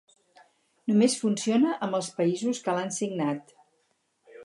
Només funciona amb els països que l'han signat.